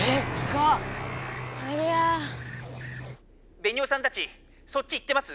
「ベニオさんたちそっち行ってます？」。